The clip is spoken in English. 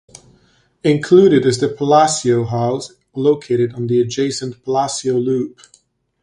Included is the Palacio House located on the adjacent Palacio Loop.